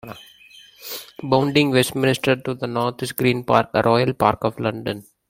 Bounding Westminster to the north is Green Park, a Royal Park of London.